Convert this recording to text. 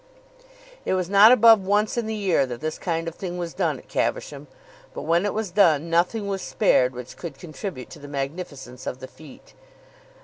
It was not above once in the year that this kind of thing was done at Caversham; but when it was done, nothing was spared which could contribute to the magnificence of the fête.